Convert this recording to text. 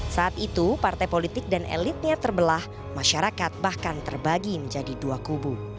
saat itu partai politik dan elitnya terbelah masyarakat bahkan terbagi menjadi dua kubu